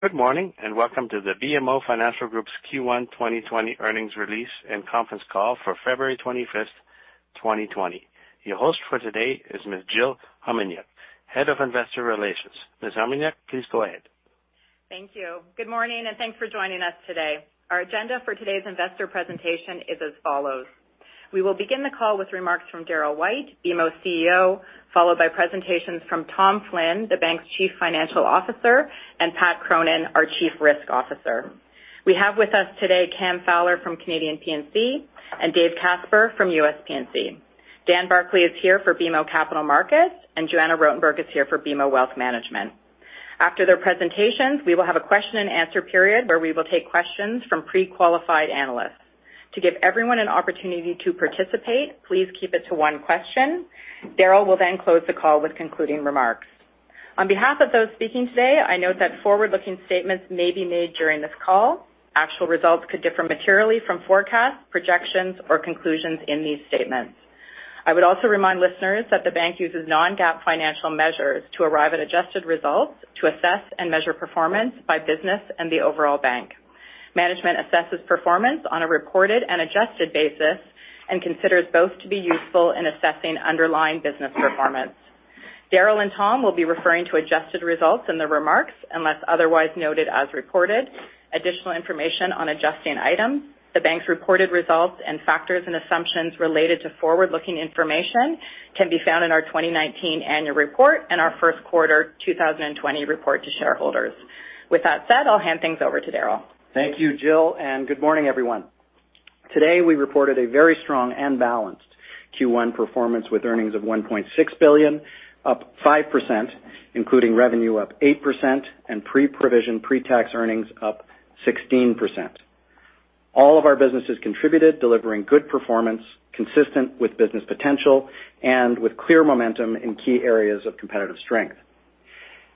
Good morning, welcome to the BMO Financial Group's Q1 2020 earnings release and conference call for February 25th, 2020. Your host for today is Ms. Jill Homenuk, Head of Investor Relations. Ms. Homenuk, please go ahead. Thank you. Good morning, and thanks for joining us today. Our agenda for today's investor presentation is as follows. We will begin the call with remarks from Darryl White, BMO CEO, followed by presentations from Tom Flynn, the Bank's Chief Financial Officer, and Pat Cronin, our Chief Risk Officer. We have with us today Cam Fowler from Canadian P&C and Dave Casper from U.S. P&C. Dan Barclay is here for BMO Capital Markets, and Joanna Rotenberg is here for BMO Wealth Management. After their presentations, we will have a question and answer period where we will take questions from pre-qualified analysts. To give everyone an opportunity to participate, please keep it to one question. Darryl will close the call with concluding remarks. On behalf of those speaking today, I note that forward-looking statements may be made during this call. Actual results could differ materially from forecasts, projections, or conclusions in these statements. I would also remind listeners that the bank uses non-GAAP financial measures to arrive at adjusted results to assess and measure performance by business and the overall bank. Management assesses performance on a reported and adjusted basis and considers both to be useful in assessing underlying business performance. Darryl and Tom will be referring to adjusted results in their remarks unless otherwise noted as reported. Additional information on adjusting items, the bank's reported results, and factors and assumptions related to forward-looking information can be found in our 2019 annual report and our first quarter 2020 report to shareholders. With that said, I'll hand things over to Darryl. Thank you, Jill, and good morning, everyone. Today, we reported a very strong and balanced Q1 performance with earnings of 1.6 billion, up 5%, including revenue up 8% and pre-provision pre-tax earnings up 16%. All of our businesses contributed, delivering good performance consistent with business potential and with clear momentum in key areas of competitive strength.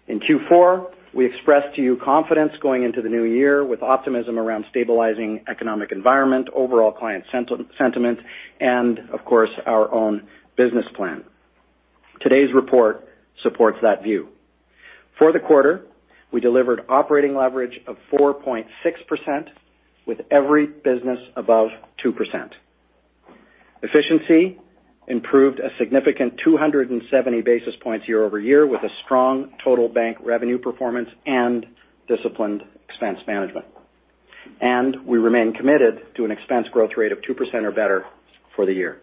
In Q4, we expressed to you confidence going into the new year with optimism around stabilizing economic environment, overall client sentiment, and of course, our own business plan. Today's report supports that view. For the quarter, we delivered operating leverage of 4.6% with every business above 2%. Efficiency improved a significant 270 basis points year-over-year with a strong total bank revenue performance and disciplined expense management. We remain committed to an expense growth rate of 2% or better for the year.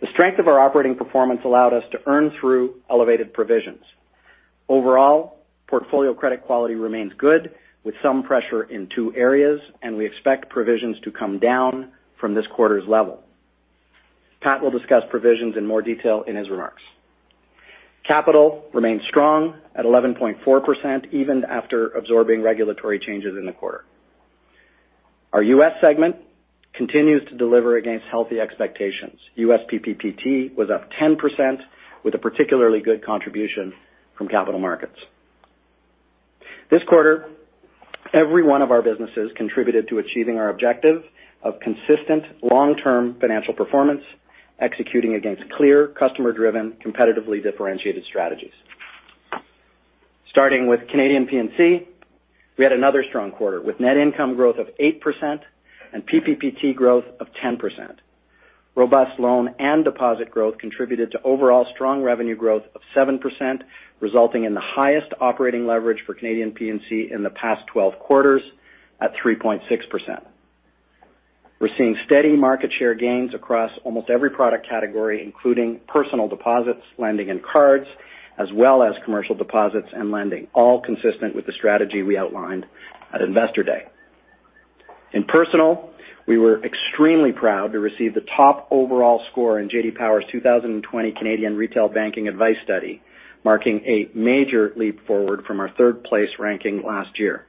The strength of our operating performance allowed us to earn through elevated provisions. Overall, portfolio credit quality remains good with some pressure in two areas, and we expect provisions to come down from this quarter's level. Pat will discuss provisions in more detail in his remarks. Capital remains strong at 11.4%, even after absorbing regulatory changes in the quarter. Our U.S. segment continues to deliver against healthy expectations. U.S. PPPT was up 10% with a particularly good contribution from capital markets. This quarter, every one of our businesses contributed to achieving our objective of consistent long-term financial performance, executing against clear customer-driven, competitively differentiated strategies. Starting with Canadian P&C, we had another strong quarter with net income growth of 8% and PPPT growth of 10%. Robust loan and deposit growth contributed to overall strong revenue growth of 7%, resulting in the highest operating leverage for Canadian P&C in the past 12 quarters at 3.6%. We're seeing steady market share gains across almost every product category, including personal deposits, lending, and cards, as well as commercial deposits and lending, all consistent with the strategy we outlined at Investor Day. In personal, we were extremely proud to receive the top overall score in J.D. Power's 2020 Canadian Retail Banking Advice Study, marking a major leap forward from our third-place ranking last year.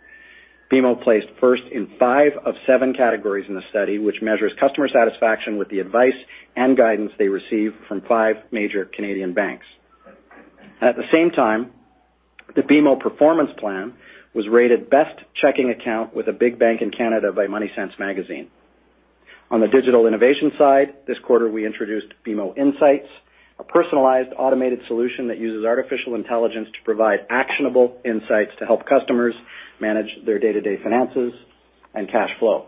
BMO placed first in five of seven categories in the study, which measures customer satisfaction with the advice and guidance they receive from five major Canadian banks. At the same time, the BMO Performance Plan was rated best checking account with a big bank in Canada by MoneySense Magazine. On the digital innovation side, this quarter, we introduced BMO Insights, a personalized automated solution that uses artificial intelligence to provide actionable insights to help customers manage their day-to-day finances and cash flow.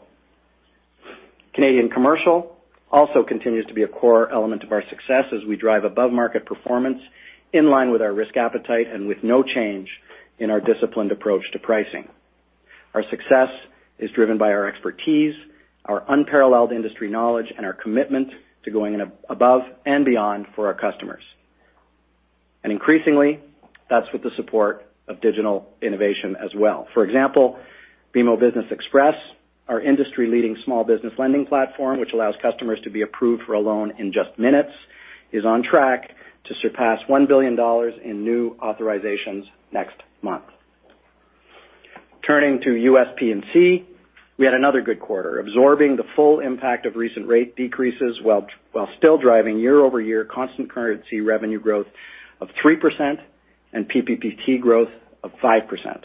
Canadian commercial also continues to be a core element of our success as we drive above-market performance in line with our risk appetite and with no change in our disciplined approach to pricing. Our success is driven by our expertise, our unparalleled industry knowledge, and our commitment to going above and beyond for our customers. Increasingly, that's with the support of digital innovation as well. For example, BMO Business Xpress, our industry-leading small business lending platform, which allows customers to be approved for a loan in just minutes, is on track to surpass 1 billion dollars in new authorizations next month. Turning to U.S. P&C, we had another good quarter, absorbing the full impact of recent rate decreases while still driving year-over-year constant currency revenue growth of 3% and PPPT growth of 5%.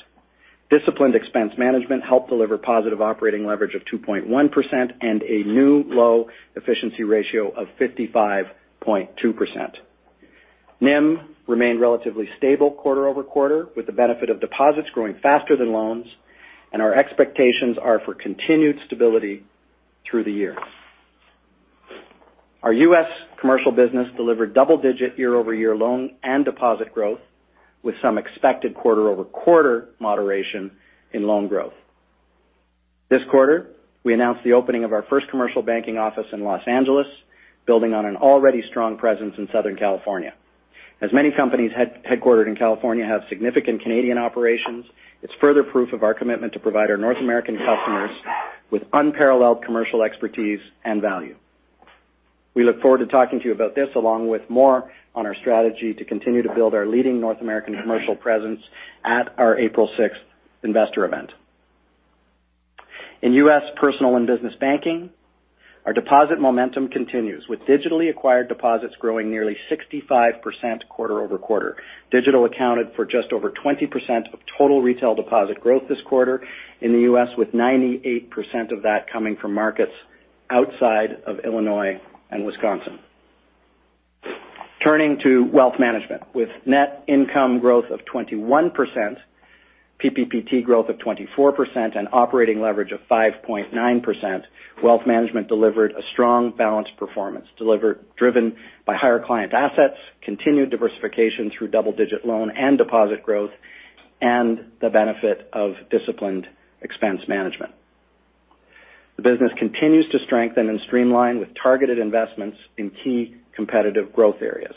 Disciplined expense management helped deliver positive operating leverage of 2.1% and a new low efficiency ratio of 55.2%. NIM remained relatively stable quarter-over-quarter with the benefit of deposits growing faster than loans, and our expectations are for continued stability through the year. Our U.S. commercial business delivered double-digit year-over-year loan and deposit growth with some expected quarter-over-quarter moderation in loan growth. This quarter, we announced the opening of our first commercial banking office in Los Angeles, building on an already strong presence in Southern California. As many companies headquartered in California have significant Canadian operations, it's further proof of our commitment to provide our North American customers with unparalleled commercial expertise and value. We look forward to talking to you about this, along with more on our strategy to continue to build our leading North American commercial presence at our April sixth investor event. In U.S. personal and business banking, our deposit momentum continues with digitally acquired deposits growing nearly 65% quarter-over-quarter. Digital accounted for just over 20% of total retail deposit growth this quarter in the U.S., with 98% of that coming from markets outside of Illinois and Wisconsin. Turning to wealth management. With net income growth of 21%, PPPT growth of 24%, and operating leverage of 5.9%, Wealth Management delivered a strong, balanced performance driven by higher client assets, continued diversification through double-digit loan and deposit growth, and the benefit of disciplined expense management. The business continues to strengthen and streamline with targeted investments in key competitive growth areas.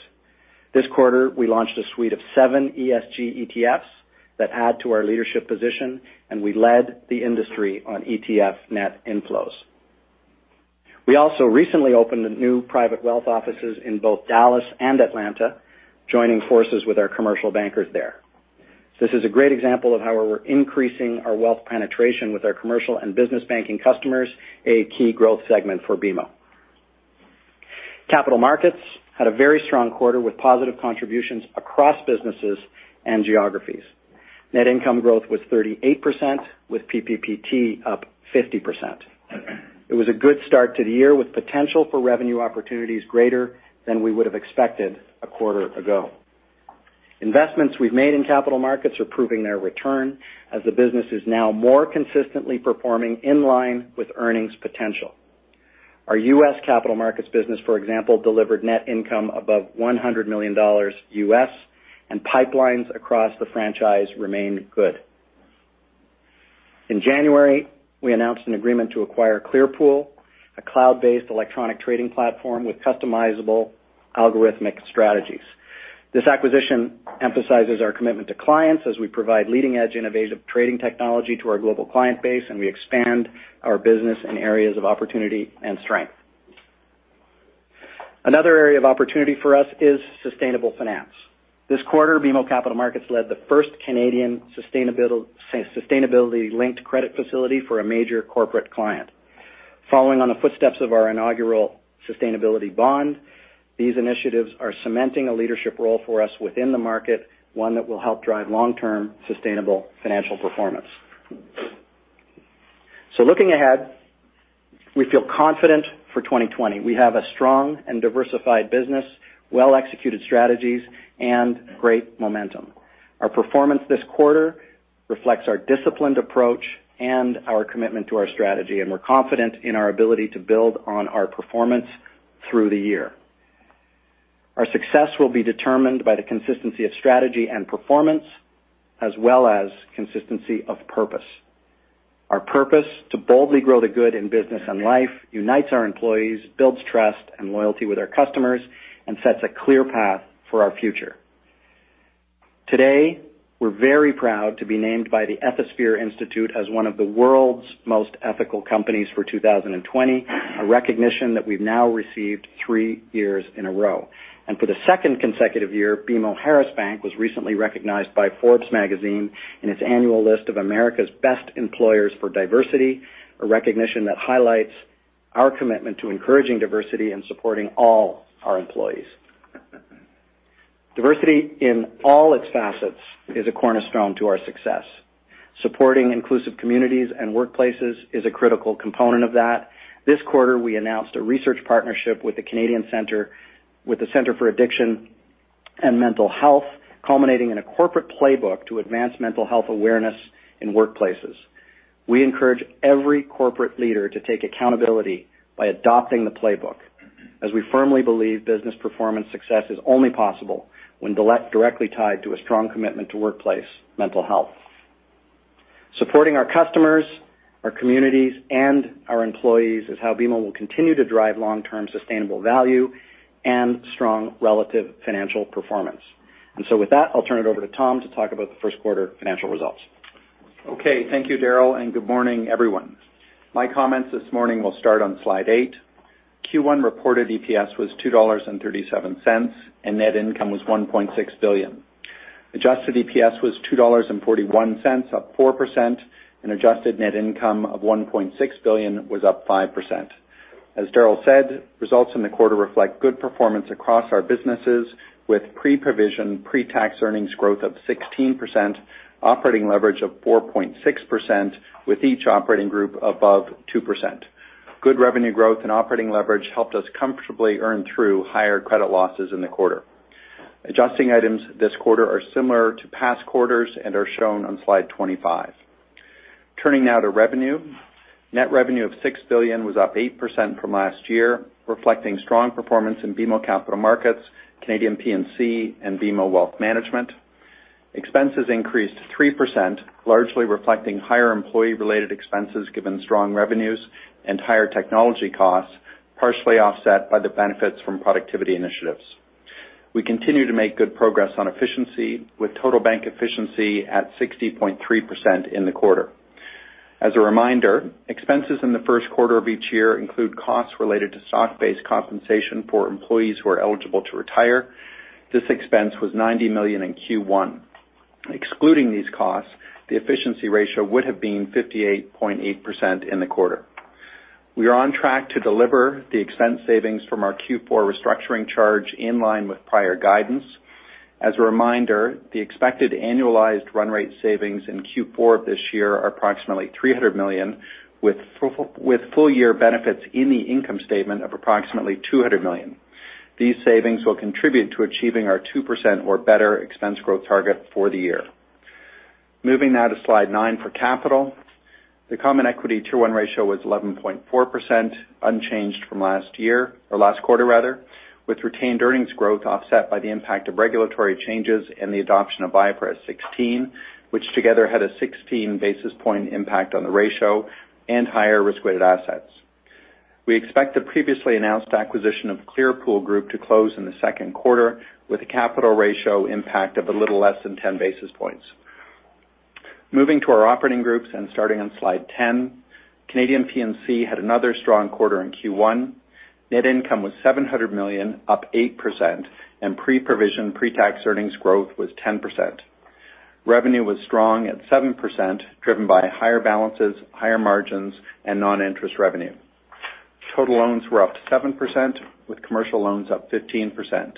This quarter, we launched a suite of seven ESG ETFs that add to our leadership position, and we led the industry on ETF net inflows. We also recently opened new private wealth offices in both Dallas and Atlanta, joining forces with our commercial bankers there. This is a great example of how we're increasing our wealth penetration with our commercial and business banking customers, a key growth segment for BMO. Capital Markets had a very strong quarter with positive contributions across businesses and geographies. Net income growth was 38%, with PPPT up 50%. It was a good start to the year with potential for revenue opportunities greater than we would have expected a quarter ago. Investments we've made in Capital Markets are proving their return as the business is now more consistently performing in line with earnings potential. Our U.S. Capital Markets business, for example, delivered net income above $100 million and pipelines across the franchise remained good. In January, we announced an agreement to acquire Clearpool, a cloud-based electronic trading platform with customizable algorithmic strategies. This acquisition emphasizes our commitment to clients as we provide leading-edge innovative trading technology to our global client base, and we expand our business in areas of opportunity and strength. Another area of opportunity for us is sustainable finance. This quarter, BMO Capital Markets led the first Canadian sustainability-linked credit facility for a major corporate client. Following on the footsteps of our inaugural sustainability bond, these initiatives are cementing a leadership role for us within the market, one that will help drive long-term sustainable financial performance. Looking ahead, we feel confident for 2020. We have a strong and diversified business, well-executed strategies, and great momentum. Our performance this quarter reflects our disciplined approach and our commitment to our strategy, and we're confident in our ability to build on our performance through the year. Our success will be determined by the consistency of strategy and performance as well as consistency of purpose. Our purpose to boldly grow the good in business and life unites our employees, builds trust and loyalty with our customers, and sets a clear path for our future. Today, we're very proud to be named by the Ethisphere Institute as one of the world's most ethical companies for 2020, a recognition that we've now received three years in a row. For the second consecutive year, BMO Harris Bank was recently recognized by Forbes magazine in its annual list of America's best employers for diversity, a recognition that highlights our commitment to encouraging diversity and supporting all our employees. Diversity in all its facets is a cornerstone to our success. Supporting inclusive communities and workplaces is a critical component of that. This quarter, we announced a research partnership with the Centre for Addiction and Mental Health, culminating in a corporate playbook to advance mental health awareness in workplaces. We encourage every corporate leader to take accountability by adopting the playbook, as we firmly believe business performance success is only possible when directly tied to a strong commitment to workplace mental health. Supporting our customers, our communities, and our employees is how BMO will continue to drive long-term sustainable value and strong relative financial performance. With that, I'll turn it over to Tom to talk about the first quarter financial results. Okay. Thank you, Darryl, and good morning, everyone. My comments this morning will start on slide eight. Q1 reported EPS was 2.37 dollars, and net income was 1.6 billion. Adjusted EPS was 2.41 dollars, up 4%, and adjusted net income of 1.6 billion was up 5%. As Darryl said, results in the quarter reflect good performance across our businesses with pre-provision, pre-tax earnings growth of 16%, operating leverage of 4.6% with each operating group above 2%. Good revenue growth and operating leverage helped us comfortably earn through higher credit losses in the quarter. Adjusting items this quarter are similar to past quarters and are shown on slide 25. Turning now to revenue. Net revenue of 6 billion was up 8% from last year, reflecting strong performance in BMO Capital Markets, Canadian P&C, and BMO Wealth Management. Expenses increased 3%, largely reflecting higher employee-related expenses given strong revenues and higher technology costs, partially offset by the benefits from productivity initiatives. We continue to make good progress on efficiency, with total bank efficiency at 60.3% in the quarter. As a reminder, expenses in the first quarter of each year include costs related to stock-based compensation for employees who are eligible to retire. This expense was 90 million in Q1. Excluding these costs, the efficiency ratio would have been 58.8% in the quarter. We are on track to deliver the expense savings from our Q4 restructuring charge in line with prior guidance. As a reminder, the expected annualized run rate savings in Q4 of this year are approximately 300 million, with full-year benefits in the income statement of approximately 200 million. These savings will contribute to achieving our 2% or better expense growth target for the year. Moving now to slide nine for capital. The Common Equity Tier 1 ratio was 11.4%, unchanged from last quarter, with retained earnings growth offset by the impact of regulatory changes and the adoption of IFRS 16, which together had a 16 basis point impact on the ratio and higher risk-weighted assets. We expect the previously announced acquisition of Clearpool Group to close in the second quarter, with a capital ratio impact of a little less than 10 basis points. Moving to our operating groups and starting on slide 10, Canadian P&C had another strong quarter in Q1. Net income was 700 million, up 8%. Pre-provision, pre-tax earnings growth was 10%. Revenue was strong at 7%, driven by higher balances, higher margins, and non-interest revenue. Total loans were up 7%, with commercial loans up 15%.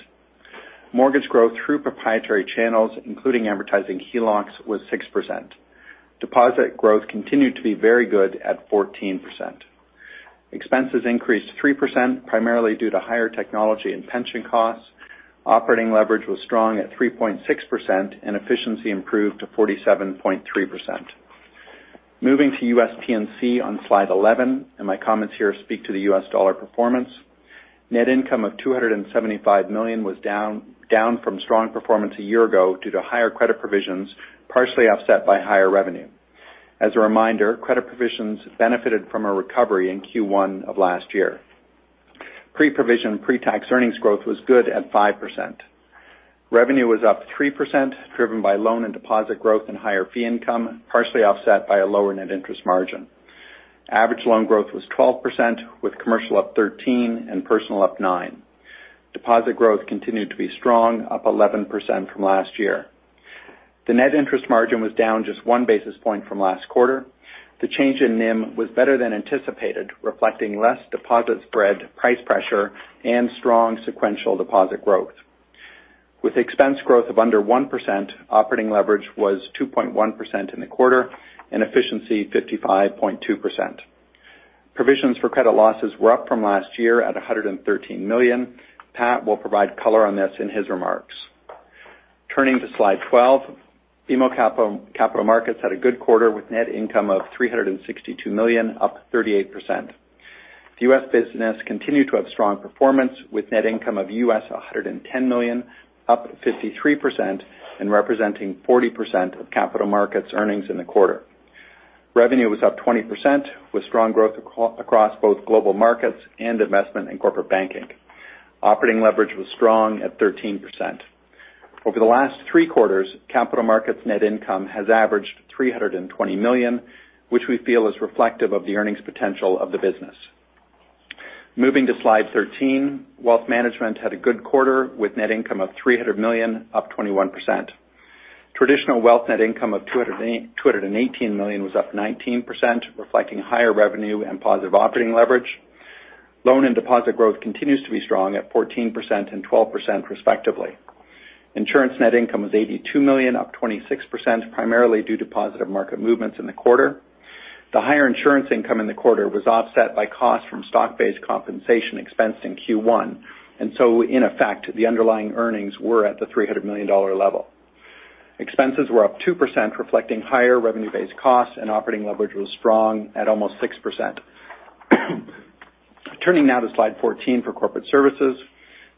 Mortgage growth through proprietary channels, including amortising HELOCs, was 6%. Deposit growth continued to be very good at 14%. Expenses increased 3%, primarily due to higher technology and pension costs. Operating leverage was strong at 3.6%, and efficiency improved to 47.3%. Moving to U.S. P&C on slide 11, my comments here speak to the U.S. dollar performance. Net income of $275 million was down from strong performance a year ago due to higher credit provisions, partially offset by higher revenue. As a reminder, credit provisions benefited from a recovery in Q1 of last year. Pre-provision, pre-tax earnings growth was good at 5%. Revenue was up 3%, driven by loan and deposit growth and higher fee income, partially offset by a lower net interest margin. Average loan growth was 12%, with commercial up 13% and personal up 9%. Deposit growth continued to be strong, up 11% from last year. The net interest margin was down just one basis point from last quarter. The change in NIM was better than anticipated, reflecting less deposit spread price pressure and strong sequential deposit growth. With expense growth of under 1%, operating leverage was 2.1% in the quarter and efficiency 55.2%. Provisions for Credit Losses were up from last year at 113 million. Pat will provide color on this in his remarks. Turning to slide 12, BMO Capital Markets had a good quarter with net income of 362 million, up 38%. The U.S. business continued to have strong performance with net income of $110 million, up 53% and representing 40% of capital markets earnings in the quarter. Revenue was up 20%, with strong growth across both global markets and investment in corporate banking. Operating leverage was strong at 13%. Over the last three quarters, Capital Markets net income has averaged 320 million, which we feel is reflective of the earnings potential of the business. Moving to slide 13, Wealth Management had a good quarter with net income of 300 million, up 21%. Traditional Wealth net income of 218 million was up 19%, reflecting higher revenue and positive operating leverage. Loan and deposit growth continues to be strong at 14% and 12% respectively. Insurance net income was 82 million, up 26%, primarily due to positive market movements in the quarter. The higher insurance income in the quarter was offset by costs from stock-based compensation expense in Q1. In effect, the underlying earnings were at the 300 million dollar level. Expenses were up 2%, reflecting higher revenue-based costs. Operating leverage was strong at almost 6%. Turning now to slide 14 for corporate services.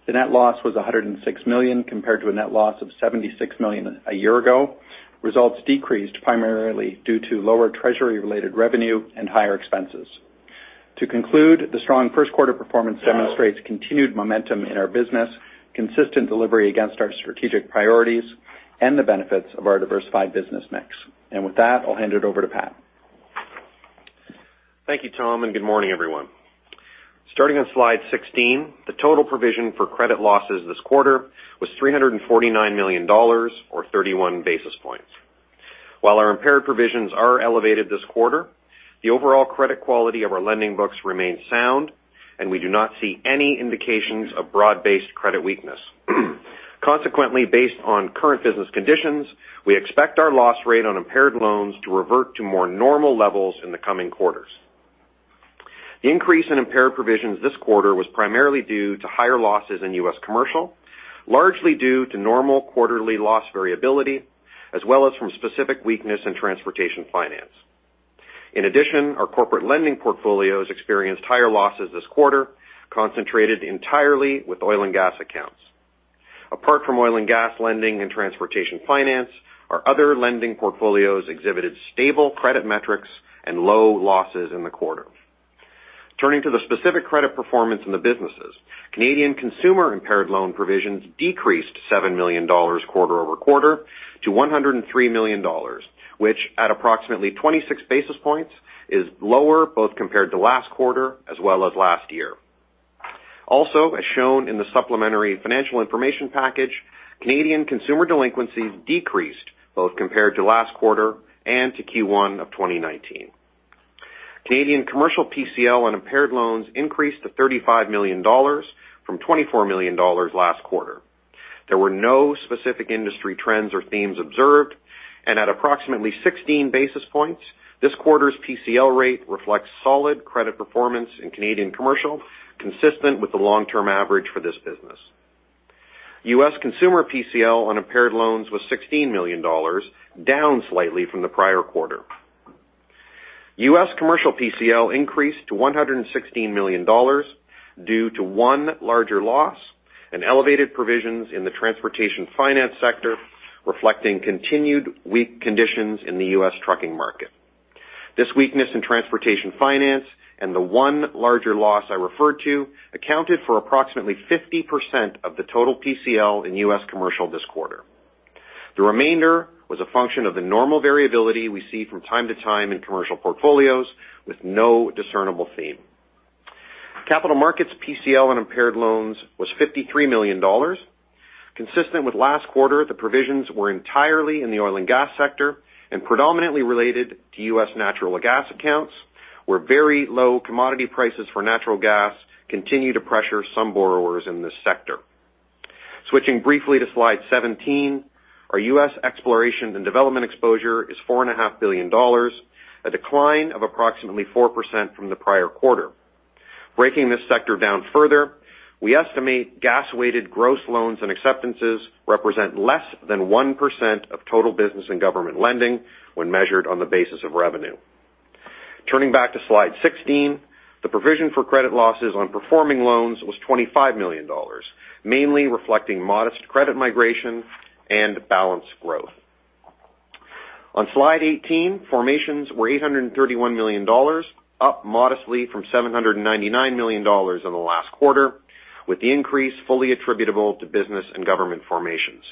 The net loss was 106 million compared to a net loss of 76 million a year ago. Results decreased primarily due to lower treasury-related revenue and higher expenses. To conclude, the strong first quarter performance demonstrates continued momentum in our business, consistent delivery against our strategic priorities, and the benefits of our diversified business mix. With that, I'll hand it over to Pat. Thank you, Tom. Good morning, everyone. Starting on slide 16, the total provision for credit losses this quarter was 349 million dollars or 31 basis points. While our impaired provisions are elevated this quarter, the overall credit quality of our lending books remains sound, and we do not see any indications of broad-based credit weakness. Consequently, based on current business conditions, we expect our loss rate on impaired loans to revert to more normal levels in the coming quarters. The increase in impaired provisions this quarter was primarily due to higher losses in U.S. commercial, largely due to normal quarterly loss variability, as well as from specific weakness in transportation finance. In addition, our corporate lending portfolios experienced higher losses this quarter, concentrated entirely with oil and gas accounts. Apart from oil and gas lending and transportation finance, our other lending portfolios exhibited stable credit metrics and low losses in the quarter. Turning to the specific credit performance in the businesses. Canadian consumer impaired loan provisions decreased 7 million dollars quarter-over-quarter to 103 million dollars, which at approximately 26 basis points, is lower both compared to last quarter as well as last year. As shown in the supplementary financial information package, Canadian consumer delinquencies decreased both compared to last quarter and to Q1 of 2019. Canadian commercial PCL on impaired loans increased to 35 million dollars from 24 million dollars last quarter. There were no specific industry trends or themes observed, and at approximately 16 basis points, this quarter's PCL rate reflects solid credit performance in Canadian commercial, consistent with the long-term average for this business. U.S. consumer PCL on impaired loans was 16 million dollars, down slightly from the prior quarter. U.S. commercial PCL increased to 116 million dollars due to one larger loss and elevated provisions in the transportation finance sector, reflecting continued weak conditions in the U.S. trucking market. This weakness in transportation finance and the one larger loss I referred to accounted for approximately 50% of the total PCL in U.S. commercial this quarter. The remainder was a function of the normal variability we see from time to time in commercial portfolios with no discernible theme. Capital markets PCL on impaired loans was 53 million dollars. Consistent with last quarter, the provisions were entirely in the oil and gas sector and predominantly related to U.S. natural gas accounts, where very low commodity prices for natural gas continue to pressure some borrowers in this sector. Switching briefly to slide 17, our U.S. exploration and development exposure is 4.5 billion dollars, a decline of approximately 4% from the prior quarter. Breaking this sector down further, we estimate gas-weighted gross loans and acceptances represent less than 1% of total business and government lending when measured on the basis of revenue. Turning back to slide 16, the provision for credit losses on performing loans was 25 million dollars, mainly reflecting modest credit migration and balance growth. On slide 18, formations were 831 million dollars, up modestly from 799 million dollars in the last quarter, with the increase fully attributable to business and government formations.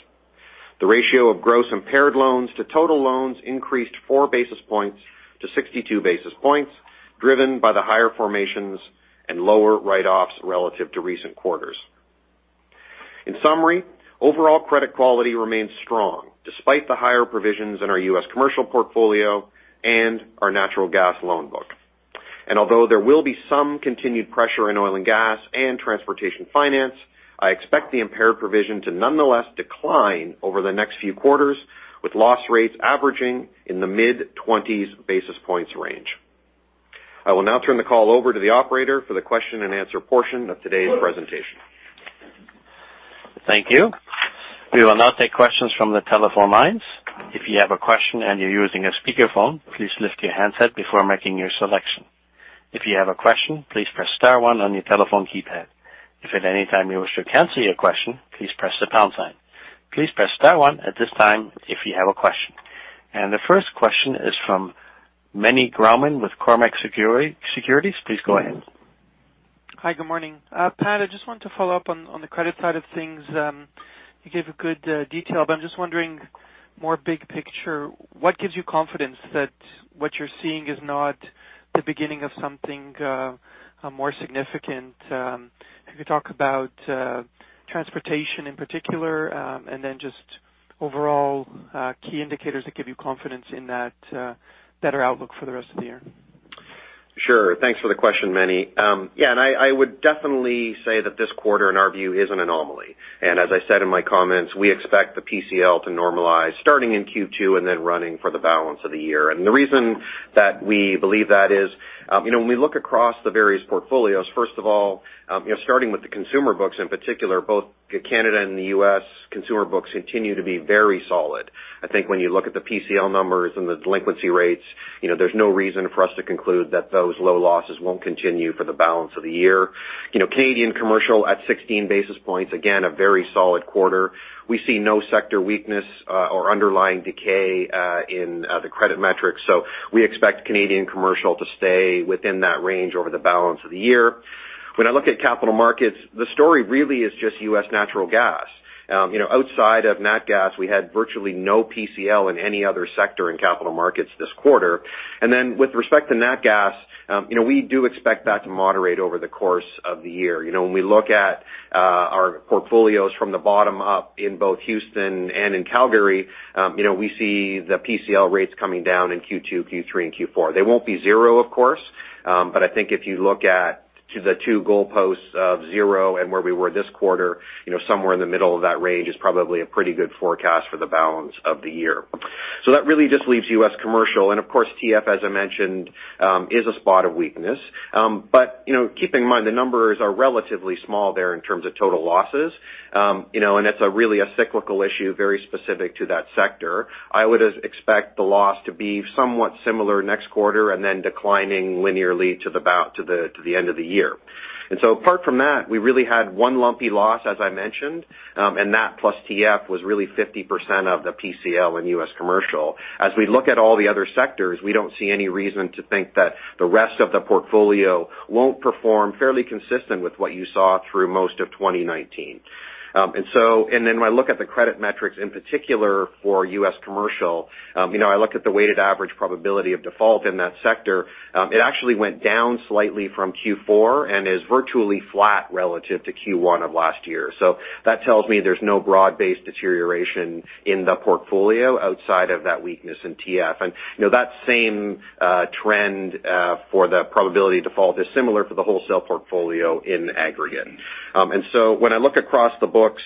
The ratio of gross impaired loans to total loans increased four basis points to 62 basis points, driven by the higher formations and lower write-offs relative to recent quarters. In summary, overall credit quality remains strong despite the higher provisions in our U.S. commercial portfolio and our natural gas loan book. Although there will be some continued pressure in oil and gas and transportation finance, I expect the impaired provision to nonetheless decline over the next few quarters, with loss rates averaging in the mid-20s basis points range. I will now turn the call over to the operator for the question and answer portion of today's presentation. Thank you. We will now take questions from the telephone lines. If you have a question and you're using a speakerphone, please lift your handset before making your selection. If you have a question, please press star one on your telephone keypad. If at any time you wish to cancel your question, please press the pound sign. Please press star one at this time if you have a question. The first question is from Meny Grauman with Cormark Securities. Please go ahead. Hi. Good morning. Pat, I just wanted to follow up on the credit side of things. You gave a good detail, but I'm just wondering more big picture, what gives you confidence that what you're seeing is not the beginning of something more significant? If you could talk about transportation in particular, and then just overall key indicators that give you confidence in that better outlook for the rest of the year? Sure. Thanks for the question, Meny. Yeah, I would definitely say that this quarter, in our view, is an anomaly. As I said in my comments, we expect the PCL to normalize starting in Q2 and then running for the balance of the year. The reason that we believe that is when we look across the various portfolios, first of all, starting with the consumer books, in particular, both Canada and the U.S. consumer books continue to be very solid. I think when you look at the PCL numbers and the delinquency rates, there's no reason for us to conclude that those low losses won't continue for the balance of the year. Canadian commercial at 16 basis points, again, a very solid quarter. We see no sector weakness or underlying decay in the credit metrics. We expect Canadian commercial to stay within that range over the balance of the year. When I look at Capital Markets, the story really is just U.S. natural gas. Outside of natural gas, we had virtually no PCL in any other sector in Capital Markets this quarter. With respect to natural gas, we do expect that to moderate over the course of the year. When we look at our portfolios from the bottom up in both Houston and in Calgary, we see the PCL rates coming down in Q2, Q3, and Q4. They won't be 0, of course, but I think if you look at the two goalposts of 0 and where we were this quarter, somewhere in the middle of that range is probably a pretty good forecast for the balance of the year. That really just leaves U.S. commercial. Of course, TF, as I mentioned, is a spot of weakness. Keep in mind, the numbers are relatively small there in terms of total losses. That's really a cyclical issue very specific to that sector. I would expect the loss to be somewhat similar next quarter and then declining linearly to the end of the year. Apart from that, we really had one lumpy loss, as I mentioned. That plus TF was really 50% of the PCL in U.S. commercial. As we look at all the other sectors, we don't see any reason to think that the rest of the portfolio won't perform fairly consistent with what you saw through most of 2019. When I look at the credit metrics, in particular for U.S. commercial, I look at the weighted average probability of default in that sector. It actually went down slightly from Q4 and is virtually flat relative to Q1 of last year. That tells me there's no broad-based deterioration in the portfolio outside of that weakness in TF. That same trend for the probability default is similar for the wholesale portfolio in aggregate. When I look across the books,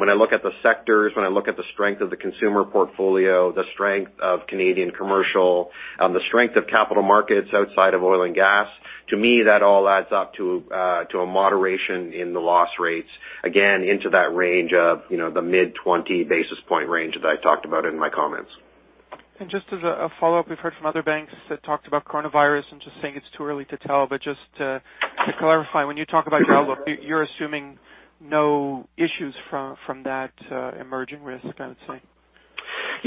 when I look at the sectors, when I look at the strength of the consumer portfolio, the strength of Canadian commercial, the strength of Capital Markets outside of oil and gas, to me, that all adds up to a moderation in the loss rates, again, into that range of the mid 20 basis point range that I talked about in my comments. Just as a follow-up, we've heard from other banks that talked about coronavirus and just saying it's too early to tell. Just to clarify, when you talk about outlook, you're assuming no issues from that emerging risk, I would say.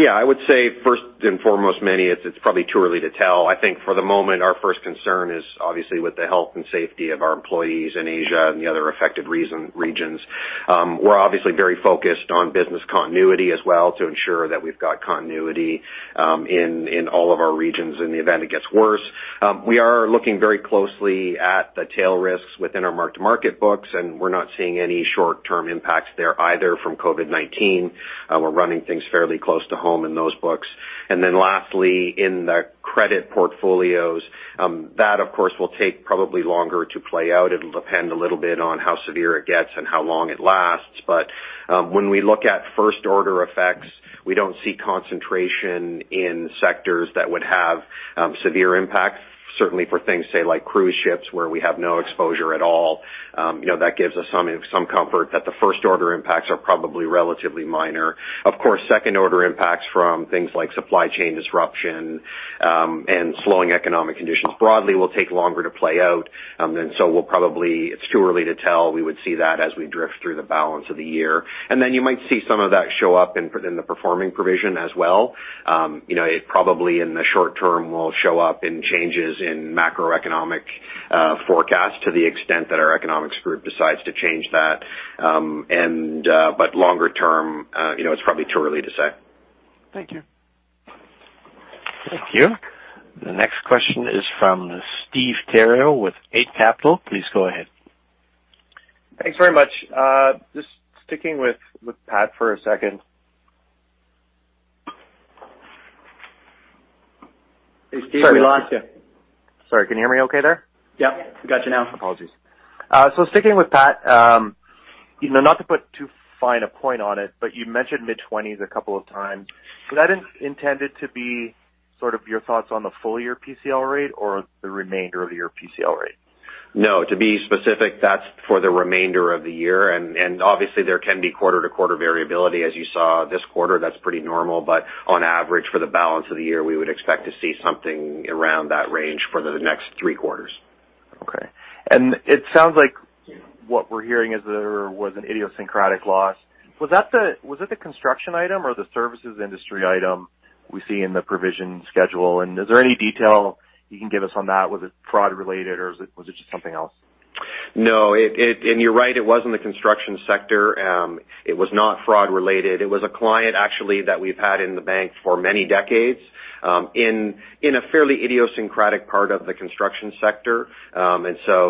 I would say first and foremost, Meny, it's probably too early to tell. I think for the moment, our first concern is obviously with the health and safety of our employees in Asia and the other affected regions. We're obviously very focused on business continuity as well to ensure that we've got continuity in all of our regions in the event it gets worse. We are looking very closely at the tail risks within our mark-to-market books. We're not seeing any short-term impacts there either from COVID-19. We're running things fairly close to home in those books. Lastly, in the credit portfolios, that of course, will take probably longer to play out. It'll depend a little bit on how severe it gets and how long it lasts. When we look at first-order effects, we don't see concentration in sectors that would have severe impacts. Certainly for things, say, like cruise ships where we have no exposure at all. That gives us some comfort that the first order impacts are probably relatively minor. Of course, second order impacts from things like supply chain disruption, and slowing economic conditions broadly will take longer to play out. We'll probably, it's too early to tell. We would see that as we drift through the balance of the year. You might see some of that show up in the performing provision as well. It probably in the short term will show up in changes in macroeconomic forecasts to the extent that our economics group decides to change that. Longer term, it's probably too early to say. Thank you. Thank you. The next question is from Steve Theriault with Eight Capital. Please go ahead. Thanks very much. Just sticking with Pat for a second. Hey, Steve. We lost you. Sorry, can you hear me okay there? Yep. We got you now. Apologies. Sticking with Pat, not to put too fine a point on it, you mentioned mid-20s a couple of times. Was that intended to be sort of your thoughts on the full year PCL rate or the remainder of your PCL rate? No. To be specific, that's for the remainder of the year. Obviously there can be quarter-to-quarter variability as you saw this quarter. That's pretty normal. On average for the balance of the year, we would expect to see something around that range for the next three quarters. Okay. It sounds like what we're hearing is there was an idiosyncratic loss. Was it the construction item or the services industry item we see in the provision schedule? Is there any detail you can give us on that? Was it fraud related or was it just something else? No. You're right, it was in the construction sector. It was not fraud related. It was a client actually that we've had in the bank for many decades, in a fairly idiosyncratic part of the construction sector.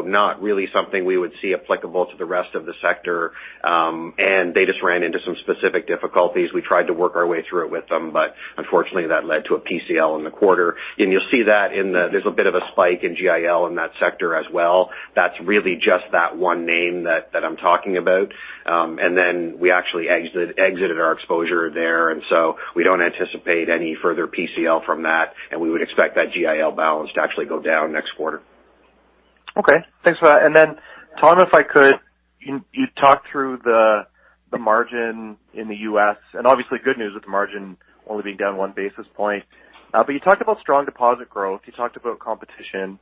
Not really something we would see applicable to the rest of the sector. They just ran into some specific difficulties. We tried to work our way through it with them, but unfortunately that led to a PCL in the quarter. You'll see that there's a bit of a spike in GIL in that sector as well. That's really just that one name that I'm talking about. We actually exited our exposure there, so we don't anticipate any further PCL from that, and we would expect that GIL balance to actually go down next quarter. Okay. Thanks for that. Tom, if I could, you talked through the margin in the U.S., and obviously good news with the margin only being down one basis point. You talked about strong deposit growth. You talked about competition.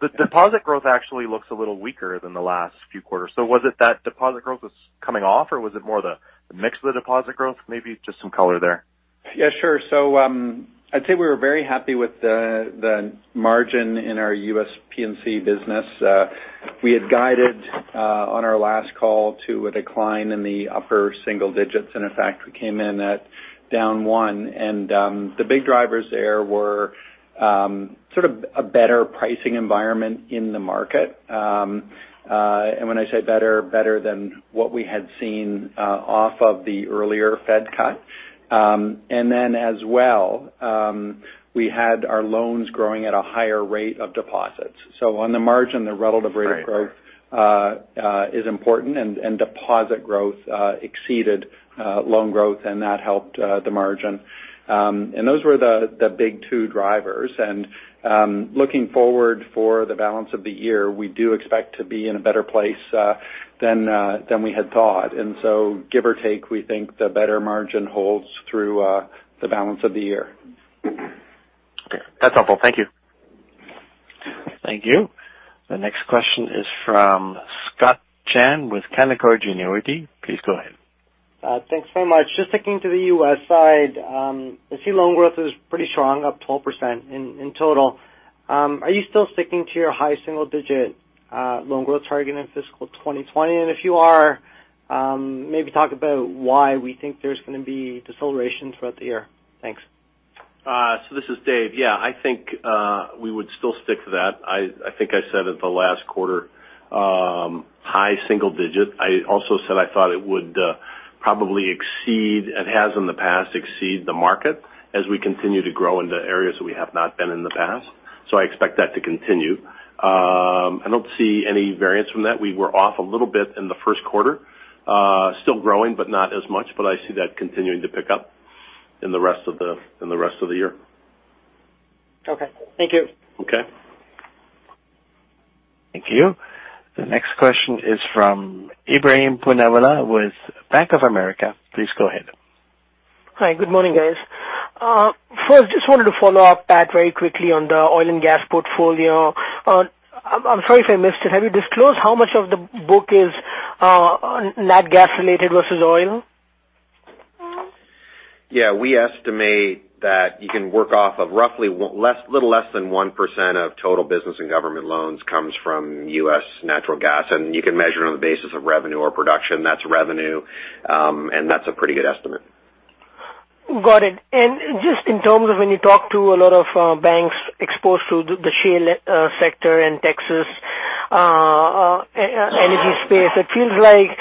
The deposit growth actually looks a little weaker than the last few quarters. Was it that deposit growth was coming off or was it more the mix of the deposit growth? Maybe just some color there. Yeah, sure. I'd say we were very happy with the margin in our U.S. P&C business. We had guided on our last call to a decline in the upper single digits, and in fact, we came in at down one. The big drivers there were sort of a better pricing environment in the market. When I say better than what we had seen off of the earlier Fed cut. As well, we had our loans growing at a higher rate of deposits. On the margin, the relative rate of growth is important, and deposit growth exceeded loan growth, and that helped the margin. Those were the big two drivers. Looking forward for the balance of the year, we do expect to be in a better place than we had thought. Give or take, we think the better margin holds through the balance of the year. Okay. That's helpful. Thank you. Thank you. The next question is from Scott Chan with Canaccord Genuity. Please go ahead. Thanks so much. Just sticking to the U.S. side, I see loan growth is pretty strong, up 12% in total. Are you still sticking to your high single digit loan growth target in Fiscal 2020? If you are, maybe talk about why we think there's going to be deceleration throughout the year. Thanks. This is Dave. Yeah, I think we would still stick to that. I think I said at the last quarter, high single digit. I also said I thought it would probably exceed, and has in the past, exceed the market as we continue to grow into areas that we have not been in the past. I expect that to continue. I don't see any variance from that. We were off a little bit in the first quarter. Still growing, but not as much, but I see that continuing to pick up in the rest of the year. Okay. Thank you. Okay. Thank you. The next question is from Ebrahim Poonawala with Bank of America. Please go ahead. Hi. Good morning, guys. First, just wanted to follow up, Pat, very quickly on the oil and gas portfolio. I'm sorry if I missed it. Have you disclosed how much of the book is natural gas related versus oil? Yeah. We estimate that you can work off of roughly a little less than 1% of total business and government loans comes from U.S. natural gas, and you can measure it on the basis of revenue or production. That's revenue, and that's a pretty good estimate. Got it. Just in terms of when you talk to a lot of banks exposed to the shale sector in Texas energy space, it feels like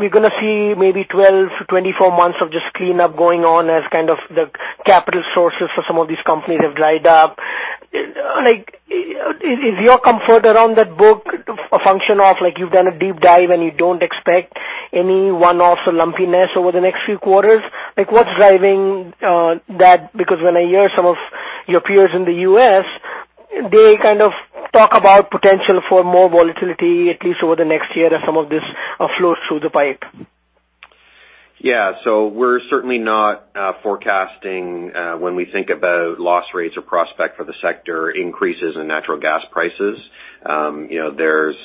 we're going to see maybe 12-24 months of just cleanup going on as kind of the capital sources for some of these companies have dried up. Is your comfort around that book a function of you've done a deep dive and you don't expect any one-off lumpiness over the next few quarters? What's driving that? When I hear some of your peers in the U.S., they kind of talk about potential for more volatility at least over the next year as some of this flows through the pipe. Yeah. We're certainly not forecasting when we think about loss rates or prospect for the sector increases in natural gas prices. There's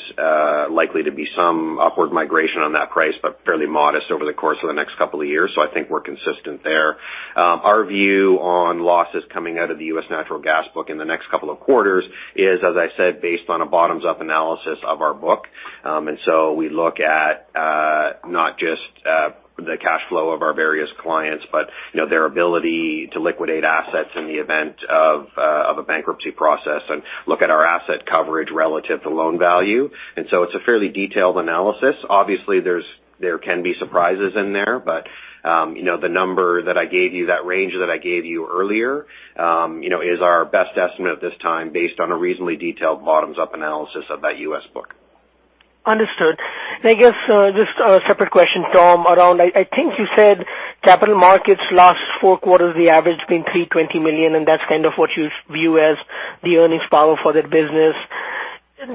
likely to be some upward migration on that price, but fairly modest over the course of the next couple of years, so I think we're consistent there. Our view on losses coming out of the U.S. natural gas book in the next couple of quarters is, as I said, based on a bottoms-up analysis of our book. We look at not just the cash flow of our various clients, but their ability to liquidate assets in the event of a bankruptcy process and look at our asset coverage relative to loan value. It's a fairly detailed analysis. There can be surprises in there, the number that I gave you, that range that I gave you earlier is our best estimate at this time based on a reasonably detailed bottoms-up analysis of that U.S. book. Understood. I guess just a separate question, Tom, around I think you said Capital Markets last four quarters, the average being 320 million, and that's kind of what you view as the earnings power for that business.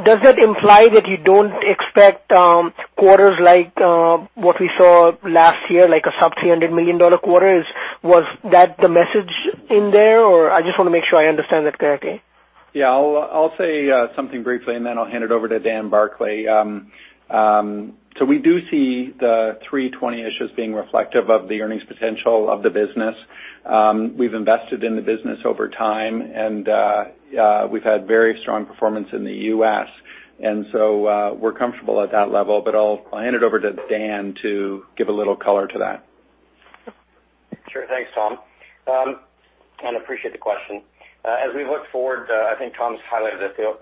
Does that imply that you don't expect quarters like what we saw last year, like a sub 300 million quarter? Was that the message in there, or I just want to make sure I understand that correctly? Yeah. I'll say something briefly, and then I'll hand it over to Dan Barclay. We do see the 320 issues being reflective of the earnings potential of the business. We've invested in the business over time, and we've had very strong performance in the U.S., and so we're comfortable at that level. I'll hand it over to Dan to give a little color to that. Sure. Thanks, Tom. Appreciate the question. As we look forward, I think Tom's highlighted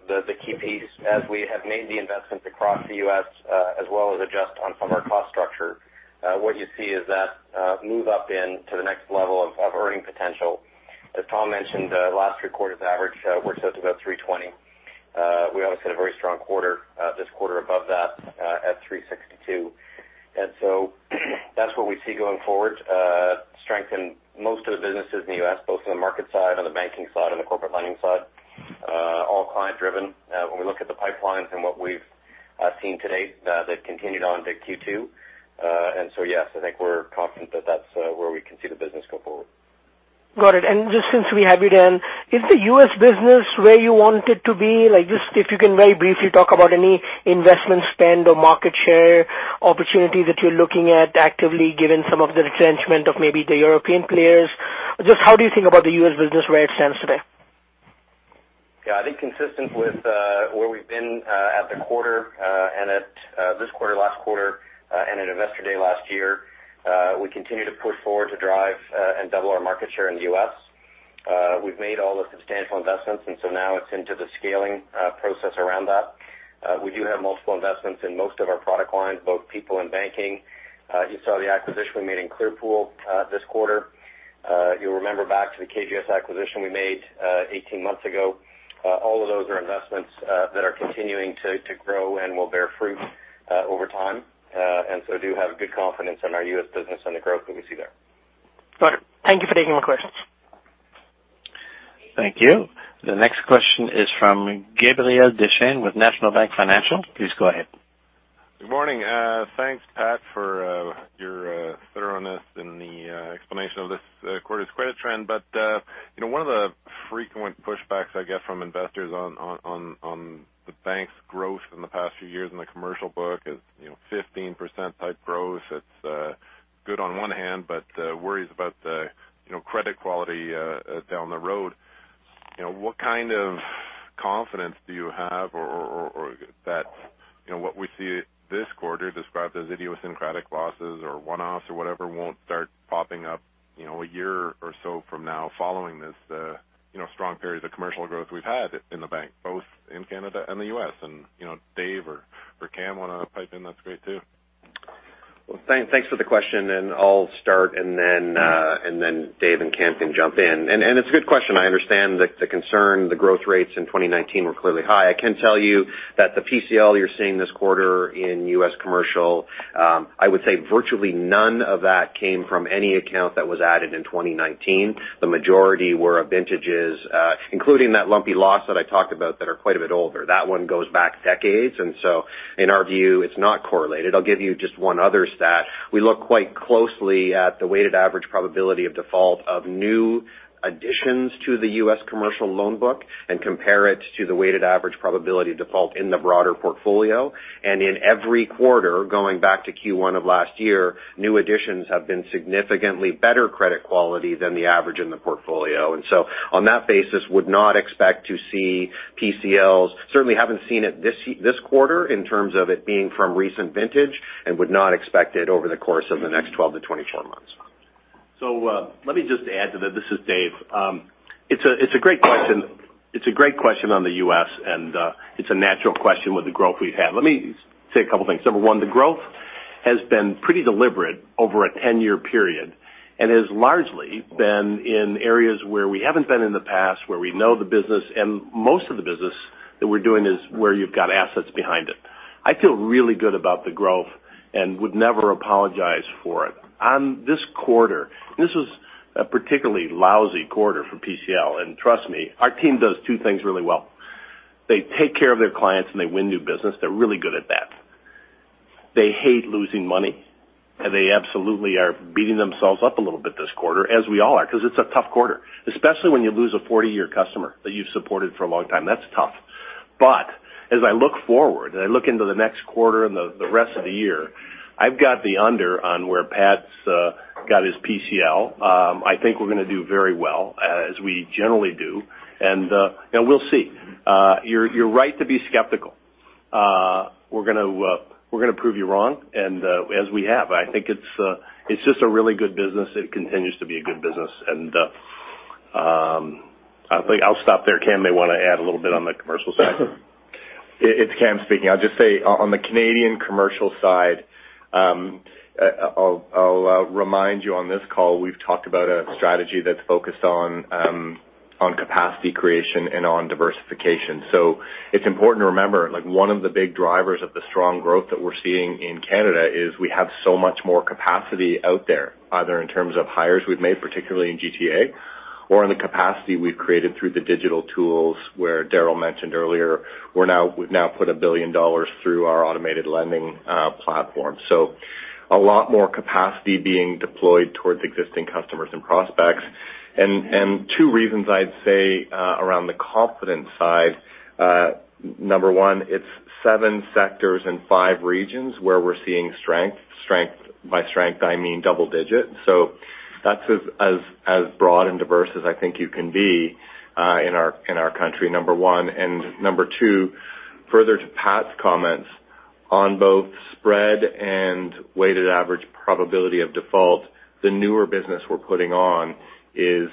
the key piece as we have made the investments across the U.S. as well as adjust on some of our cost structure. What you see is that move up into the next level of earning potential. As Tom mentioned, the last three quarters average worked up to about 320. We obviously had a very strong quarter this quarter above that at 362. That's what we see going forward, strength in most of the businesses in the U.S. both on the market side, on the banking side, on the corporate lending side, all client driven. When we look at the pipelines and what we've seen to date, that continued on into Q2. Yes, I think we're confident that that's where we can see the business go forward. Got it. Just since we have you, Dan, is the U.S. business where you want it to be? Just if you can very briefly talk about any investment spend or market share opportunities that you're looking at actively given some of the retrenchment of maybe the European players. Just how do you think about the U.S. business where it stands today? I think consistent with where we've been at the quarter, and at this quarter, last quarter, and at Investor Day last year we continue to push forward to drive and double our market share in the U.S. We've made all the substantial investments, now it's into the scaling process around that. We do have multiple investments in most of our product lines, both people and banking. You saw the acquisition we made in Clearpool this quarter. You'll remember back to the KGS acquisition we made 18 months ago. All of those are investments that are continuing to grow and will bear fruit over time. Do have good confidence in our U.S. business and the growth that we see there. Got it. Thank you for taking my questions. Thank you. The next question is from Gabriel Dechaine with National Bank Financial. Please go ahead. Good morning. Thanks, Pat, for your thoroughness in the explanation of this quarter's credit trend. One of the frequent pushbacks I get from investors on the bank's growth in the past few years in the commercial book is 15% type growth. It's good on one hand, but worries about the credit quality down the road. What kind of confidence do you have or that what we see this quarter described as idiosyncratic losses or one-offs or whatever, won't start popping up a year or so from now following this strong period of commercial growth we've had in the bank, both in Canada and the U.S., and Dave or Cam want to pipe in, that's great too. Well, thanks for the question, and I'll start, and then Dave and Cam can jump in. It's a good question. I understand the concern. The growth rates in 2019 were clearly high. I can tell you that the PCL you're seeing this quarter in U.S. commercial, I would say virtually none of that came from any account that was added in 2019. The majority were of vintages including that lumpy loss that I talked about that are quite a bit older. That one goes back decades. In our view, it's not correlated. I'll give you just one other stat. We look quite closely at the weighted average probability of default of new additions to the U.S. commercial loan book and compare it to the weighted average probability of default in the broader portfolio. In every quarter, going back to Q1 of last year, new additions have been significantly better credit quality than the average in the portfolio. On that basis, would not expect to see PCLs. Certainly haven't seen it this quarter in terms of it being from recent vintage, and would not expect it over the course of the next 12-24 months. Let me just add to that. This is Dave. It's a great question on the U.S. and it's a natural question with the growth we've had. Let me say a couple things. Number one, the growth has been pretty deliberate over a 10-year period and has largely been in areas where we haven't been in the past, where we know the business, and most of the business that we're doing is where you've got assets behind it. I feel really good about the growth and would never apologize for it. On this quarter, this was a particularly lousy quarter for PCL, and trust me, our team does two things really well. They take care of their clients, and they win new business. They're really good at that. They hate losing money, and they absolutely are beating themselves up a little bit this quarter, as we all are because it's a tough quarter, especially when you lose a 40-year customer that you've supported for a long time. That's tough. As I look forward and I look into the next quarter and the rest of the year, I've got the under on where Pat's got his PCL. I think we're going to do very well, as we generally do, and we'll see. You're right to be skeptical. We're going to prove you wrong, and as we have. I think it's just a really good business. It continues to be a good business. I'll stop there. Cam may want to add a little bit on the commercial side. It's Cam speaking. I'll just say on the Canadian commercial side, I'll remind you on this call, we've talked about a strategy that's focused on capacity creation and on diversification. It's important to remember, one of the big drivers of the strong growth that we're seeing in Canada is we have so much more capacity out there, either in terms of hires we've made, particularly in GTA or in the capacity we've created through the digital tools where Darryl mentioned earlier, we've now put a billion dollars through our automated lending platform. A lot more capacity being deployed towards existing customers and prospects. Two reasons I'd say around the confidence side. Number one, it's seven sectors and five regions where we're seeing strength. By strength I mean double digit. That's as broad and diverse as I think you can be in our country, number one. Number two, further to Pat's comments on both spread and weighted average probability of default, the newer business we're putting on is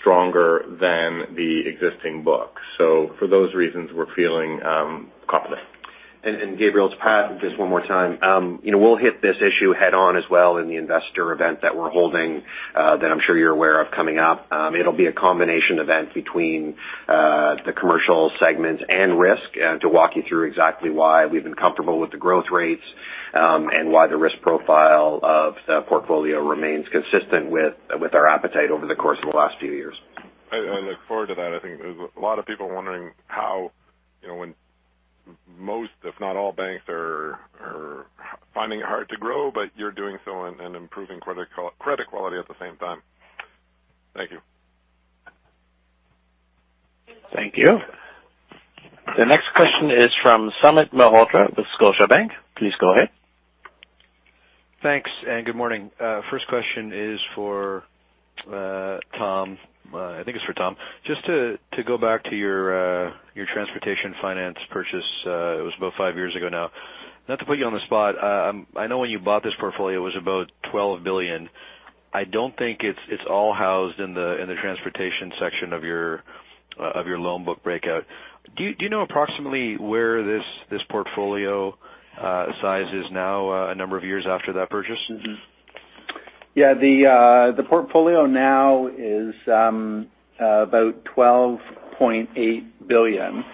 stronger than the existing book. For those reasons, we're feeling confident. Gabriel, it's Pat. Just one more time. We'll hit this issue head on as well in the investor event that we're holding, that I'm sure you're aware of coming up. It'll be a combination event between the commercial segments and risk to walk you through exactly why we've been comfortable with the growth rates, and why the risk profile of the portfolio remains consistent with our appetite over the course of the last few years. I look forward to that. I think there's a lot of people wondering how when most, if not all banks are finding it hard to grow, but you're doing so and improving credit quality at the same time. Thank you. Thank you. The next question is from Sumit Malhotra with Scotiabank. Please go ahead. Thanks. Good morning. First question is for Tom. I think it's for Tom. Just to go back to your transportation finance purchase, it was about five years ago now. Not to put you on the spot. I know when you bought this portfolio, it was about 12 billion. I don't think it's all housed in the transportation section of your loan book breakout. Do you know approximately where this portfolio size is now, a number of years after that purchase? Yeah. The portfolio now is about 12.8 billion.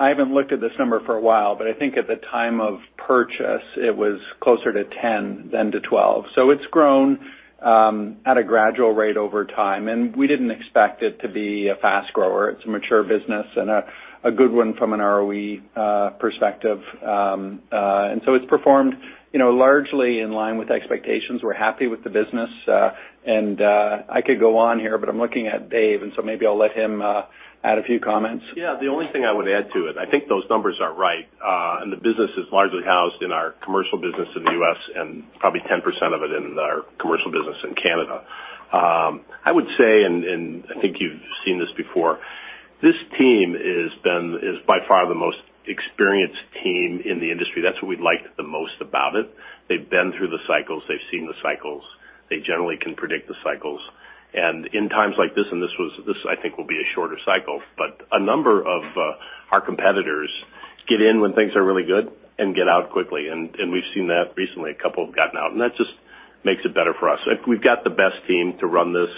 I haven't looked at this number for a while, but I think at the time of purchase, it was closer to 10 billion than to 12 billion. It's grown at a gradual rate over time, and we didn't expect it to be a fast grower. It's a mature business and a good one from an ROE perspective. It's performed largely in line with expectations. We're happy with the business. I could go on here, but I'm looking at Dave, and so maybe I'll let him add a few comments. Yeah. The only thing I would add to it, I think those numbers are right. The business is largely housed in our commercial business in the U.S. and probably 10% of it in our commercial business in Canada. I would say, I think you've seen this before, this team is by far the most experienced team in the industry. That's what we liked the most about it. They've been through the cycles, they've seen the cycles. They generally can predict the cycles. In times like this, and this, I think, will be a shorter cycle, a number of our competitors get in when things are really good and get out quickly. We've seen that recently, a couple have gotten out. That just makes it better for us. We've got the best team to run this